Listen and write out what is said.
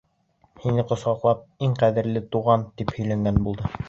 Һине ҡосаҡлап, иң ҡәҙерле туған, тип һөйләнгән булды.